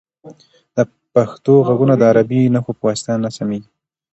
د پښتو غږونه د عربي نښو په واسطه نه سمیږي.